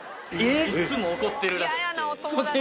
いっつも怒ってるらしくて。